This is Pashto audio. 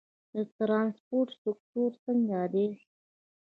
د ترانسپورت سکتور څنګه دی؟